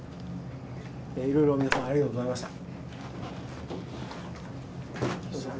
いろいろ皆さん、ありがとうございました。